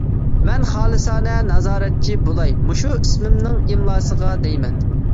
مەن خالىسانە نازارەتچى بولاي مۇشۇ ئىسىمنىڭ ئىملاسىغا دەيمەن.